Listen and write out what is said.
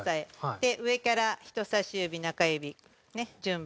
で上から人さし指中指順番に。